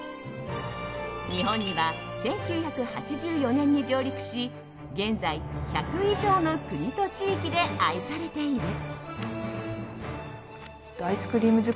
日本には１９８４年に上陸し現在１００以上の国と地域で愛されている。